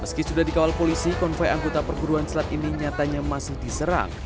meski sudah dikawal polisi konvoy anggota perguruan selat ini nyatanya masih diserang